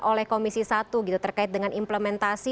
oleh komisi satu gitu terkait dengan implementasi